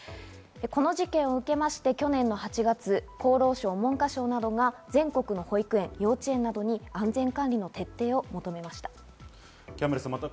この事件を受けて去年８月、厚労省、文科省などが全国の保育園、幼稚園などに安全管理の徹底を求めました。